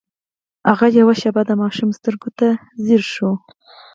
هغه يوه شېبه د ماشومې سترګو ته ځير شو.